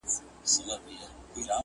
خپل کمال به د څښتن په مخ کي ږدمه.!